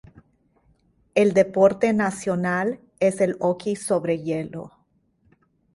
El deporte nacional es el hockey sobre hielo.